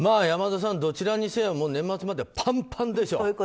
山田さん、どちらにせよ年末までパンパンでしょう。